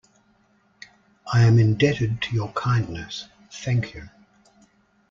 I am indebted to your kindness, thank you!.